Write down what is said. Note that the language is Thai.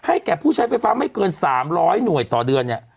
แก่ผู้ใช้ไฟฟ้าไม่เกิน๓๐๐หน่วยต่อเดือนเนี่ย